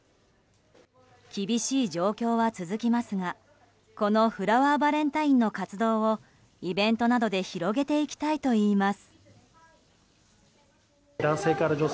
厳しい状況は続きますがこのフラワーバレンタインの活動をイベントなどで広げていきたいといいます。